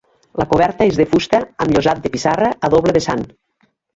La coberta és de fusta amb llosat de pissarra a doble vessant.